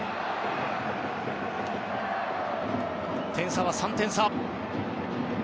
点差は３点差。